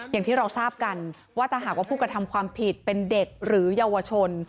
อย่างที่เราทราบกันว่าถ้าหากว่าผู้กระทำความผิดเป็นเด็กหรือเยาวชน